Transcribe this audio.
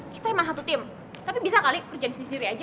kita emang satu tim tapi bisa kali kerjain sendiri sendiri aja